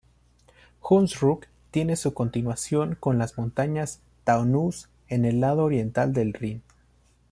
Hunsrück tiene su continuación con las montañas Taunus en el lado oriental del Rin.